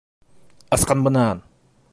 - Ысҡын бынан!